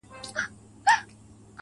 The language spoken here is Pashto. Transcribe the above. چي يې سم نيمی له ياده يم ايستلی,